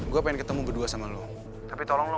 gue pengen ketemu berdua sama bella